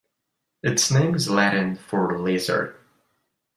Its name is Latin for lizard.